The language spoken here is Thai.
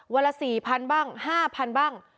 วันละ๔๐๐๐บ้าง๕๐๐บ้าง